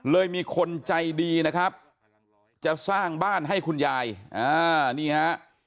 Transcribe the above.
มีคนใจดีนะครับจะสร้างบ้านให้คุณยายอ่านี่ฮะ